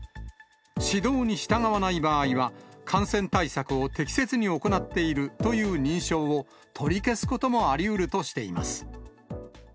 指導に従わない場合は、感染対策を適切に行っているという認証を、取り消すこともありうるとしています。